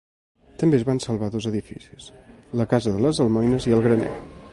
També es van salvar dos edificis: la casa de les almoines i el graner.